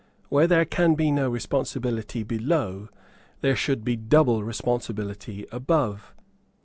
Where there can be no responsibility below, there should be double responsibility above.